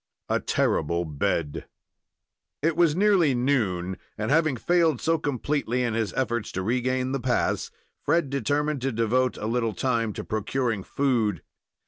A TERRIBLE BED It was nearly noon, and, having failed so completely in his efforts to regain the pass, Fred determined to devote a little time to procuring food.